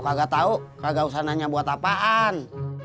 kagak tahu kagak usah nanya buat apaan